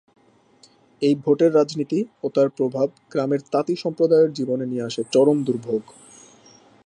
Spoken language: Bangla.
এই ভোটের রাজনীতি ও তার প্রভাব গ্রামের তাঁতি সম্প্রদায়ের জীবনে নিয়ে আসে চরম দুর্ভোগ।